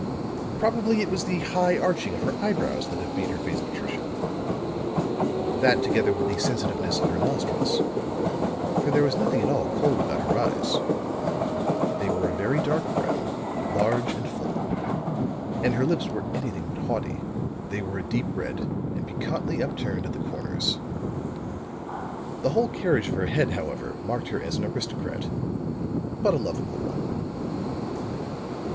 Probably it was the high arching of her eyebrows that had made her face patrician; that, together with the sensitiveness of her nostrils. For there was nothing at all cold about her eyes; they were a very dark brown, large and full. And her lips were anything but haughty; they were a deep red and piquantly upturned at the corners. The whole carriage of her head, however, marked her as an aristocrat, but a lovable one.